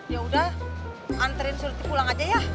yaudah anterin suti pulang aja ya